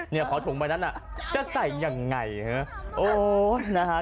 นี่พี่เขาก็รักน้องนะ